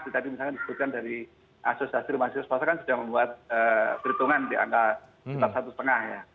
tadi misalkan disebutkan dari asosiasi rumah sakit sepasang kan sudah membuat perhitungan di angka sekitar satu lima ya